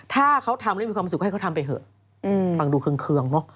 ถ้าเขาทำแล้วมีความสุขก็ให้เขาทำไปเหอะ